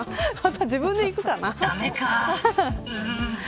自分で行くかな。